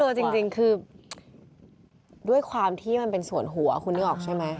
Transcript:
จริงคือด้วยความที่มันเป็นส่วนหัวคุณนึกออกใช่ไหม